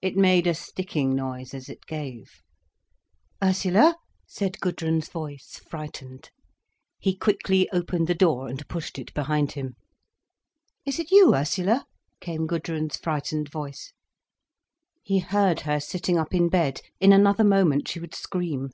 It made a sticking noise as it gave. "Ursula?" said Gudrun's voice, frightened. He quickly opened the door and pushed it behind him. "Is it you, Ursula?" came Gudrun's frightened voice. He heard her sitting up in bed. In another moment she would scream.